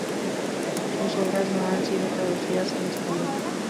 Sus obras no han sido traducidas al español.